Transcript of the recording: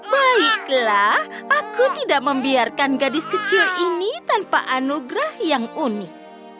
baiklah aku tidak membiarkan gadis kecil ini tanpa anugerah yang unik